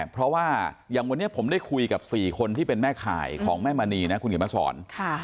เพราะว่าอย่างวันนี้ผมได้คุยกับ๔คนที่เป็นแม่ข่ายของแม่มณีนะคุณเขียนมาสอน